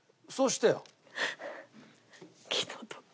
そうしてよ。